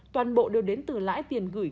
toàn bộ đều đến từ lãi tiền gửi